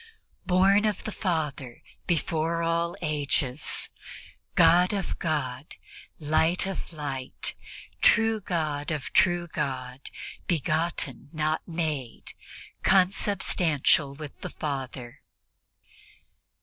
"Born of the Father before all ages, God of God, Light of Light, true God of true God, begotten not made, consubstantial with the Father